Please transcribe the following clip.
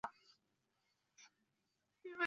乌尔克河畔普吕斯利。